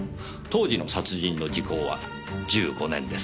当時の殺人の時効は１５年です。